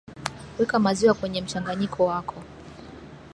weka maziwa kwenye mchanganyiko wako